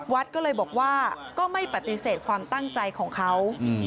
วัดก็เลยบอกว่าก็ไม่ปฏิเสธความตั้งใจของเขา